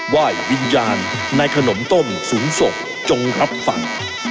ไหว้วิญญาณในขนมต้มสูงศกจงรับฝัน